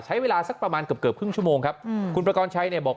ใช้เวลาสักประมาณเกือบเกือบครึ่งชั่วโมงครับคุณประกอบชัยเนี่ยบอก